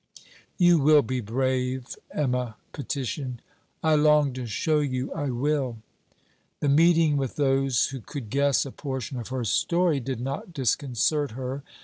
'You will be brave,' Emma petitioned. 'I long to show you I will.' The meeting with those who could guess a portion of her story, did not disconcert her.